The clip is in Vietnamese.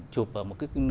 chụp ở một cái